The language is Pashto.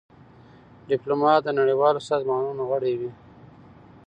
ډيپلومات د نړېوالو سازمانونو غړی وي.